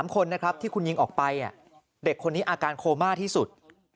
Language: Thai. ๓คนนะครับที่คุณยิงออกไปเด็กคนนี้อาการโคม่าที่สุด